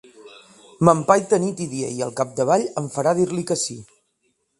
M'empaita nit i dia, i al capdavall em farà dir-li que sí!